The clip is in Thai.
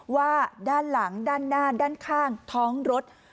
ว่าด้านหลังด้านหน้าด้านข้างท้องรถ